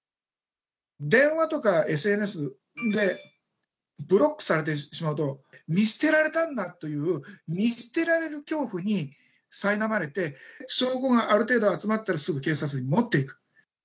電話とかＳＮＳでブロックされてしまうと、見捨てられたんだという見捨てられる恐怖にさいなまれて、証拠がある程度集まったら、すぐ警察に持っていく。